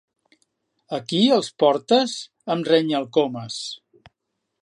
Aquí, els portes? —em renya el Comas.